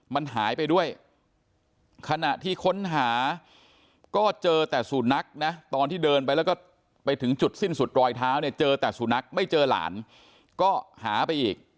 มันหายไปด้วยขณะที่ค้นหาก็เจอแต่สุนัขนะตอนที่เดินไปแล้วก็ไปถึงจุดสิ้นสุดรอยเท้าเนี่ยเจอแต่สุนัขไม่เจอหลานก็หาไปอีก